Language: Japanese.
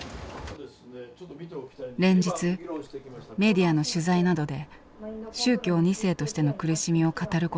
連日メディアの取材などで宗教２世としての苦しみを語ることを求められる日々。